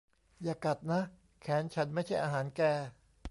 อย่ากัดนะ แขนฉันไม่ใช่อาหารแก